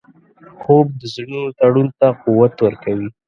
خوب د زړونو تړون ته قوت ورکوي